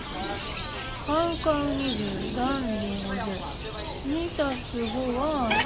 カウカウ２０ダンディー５０２足す５は７。